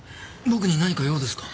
僕に何か用ですか？